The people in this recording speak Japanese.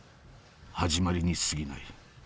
始まりにすぎない。